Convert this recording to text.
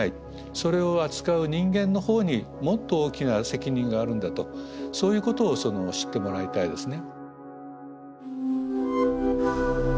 それを扱う人間のほうにもっと大きな責任があるんだとそういうことを知ってもらいたいですね。